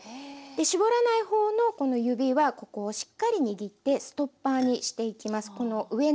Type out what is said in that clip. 搾らない方のこの指はここをしっかり握ってストッパーにしていきます。